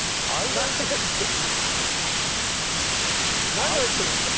何を言ってるんですか！